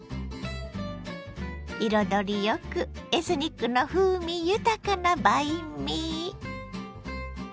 彩りよくエスニックの風味豊かなバインミー。